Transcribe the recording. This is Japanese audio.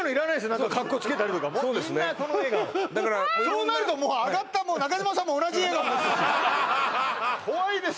何かかっこつけたりとかもうみんなこの笑顔そうなるともう上がった中島さんも同じ笑顔ですよ怖いです